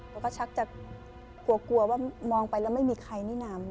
แล้วก็ชักจะกลัวว่ามองไปแล้วไม่มีใครนี่นาม